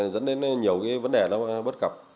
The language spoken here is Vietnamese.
dẫn đến nhiều cái vấn đề đó bất cập